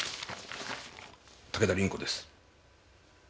武田凛子です。